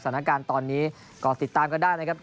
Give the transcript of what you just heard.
สถานการณ์ตอนนี้ก็ติดตามกันได้นะครับ